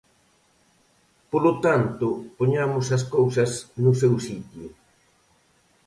Polo tanto, poñamos as cousas no seu sitio.